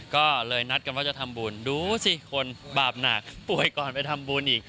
ก็เลยนัดกันว่าจะทำบุญดูสิคนบาปหนักป่วยก่อนไปทำบุญอีก